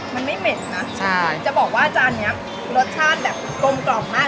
มันไม่เหม็นนะใช่จะบอกว่าจานนี้รสชาติแบบกลมกล่อมมาก